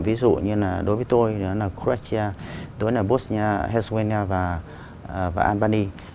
ví dụ như là đối với tôi đó là croatia tôi là bosnia herzegovina và albania